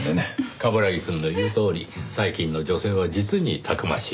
冠城くんの言うとおり最近の女性は実にたくましい。